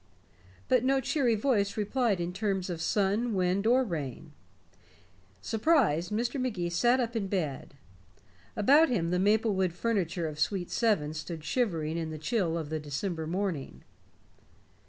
But no cheery voice replied in terms of sun, wind, or rain. Surprised, Mr. Magee sat up in bed. About him, the maple wood furniture of suite seven stood shivering in the chill of a December morning.